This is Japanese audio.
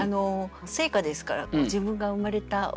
「生家」ですから自分が生まれたおうちなので